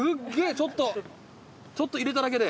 ちょっとちょっと入れただけで。